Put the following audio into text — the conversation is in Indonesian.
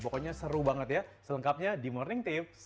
pokoknya seru banget ya selengkapnya di morning tips